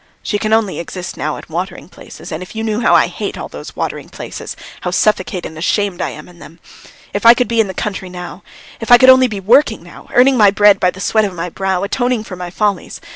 She can only exist now at watering places, and if you knew how I hate all these watering places, how suffocated and ashamed I am in them. If I could be in the country now! If I could only be working now, earning my bread by the sweat of my brow, atoning for my follies.